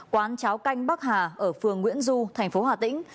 quán cháo canh bắc hà ở phường nguyễn du thành phố hà tĩnh